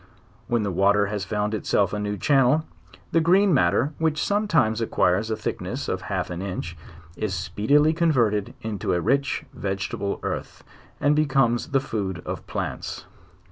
When the water has found itself a new channel, the green matter, which sometimes acquires a thickness of half an inch, is speedily converted into a rich vegetable earth, and becomes the food of plants.